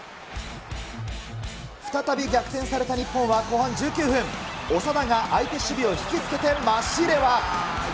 再び逆転された日本は後半１９分、長田が相手守備を引き付けてマシレワ。